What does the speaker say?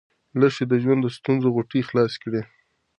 لښتې د ژوند د ستونزو غوټې خلاصې کړې.